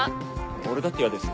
俺だって嫌ですよ。